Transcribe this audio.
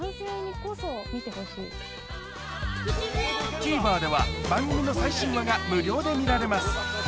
ＴＶｅｒでは番組の最新話が無料で見られます